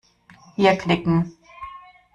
Hier knicken.